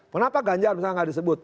kenapa ganjar misalnya nggak disebut